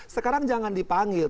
sekarang jangan dipanggil